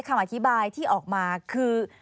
คำอธิบายที่ออกมาคือ